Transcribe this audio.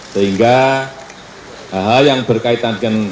sehingga hal hal yang berkaitan dengan